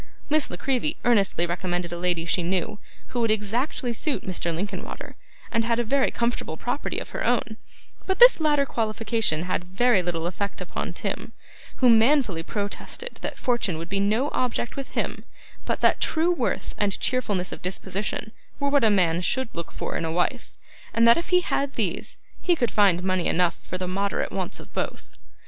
Miss La Creevy earnestly recommended a lady she knew, who would exactly suit Mr. Linkinwater, and had a very comfortable property of her own; but this latter qualification had very little effect upon Tim, who manfully protested that fortune would be no object with him, but that true worth and cheerfulness of disposition were what a man should look for in a wife, and that if he had these, he could find money enough for the moderate wants of both.